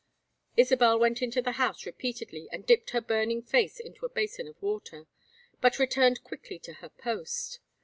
Isabel went into the house repeatedly and dipped her burning face into a basin of water, but returned quickly to her post.